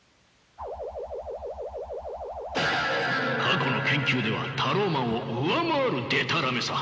過去の研究ではタローマンを上回るでたらめさ。